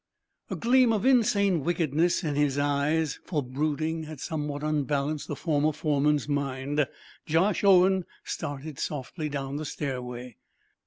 A gleam of insane wickedness in his eyes for brooding had somewhat unbalanced the former foreman's mind Josh Owen started softly down the stairway.